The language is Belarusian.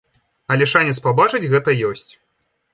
Але шанец пабачыць гэта ёсць.